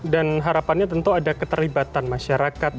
dan harapannya tentu ada keterlibatan masyarakat